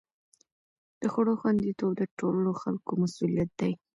د خوړو خوندي توب د ټولو خلکو مسؤلیت دی.